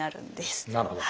なるほど。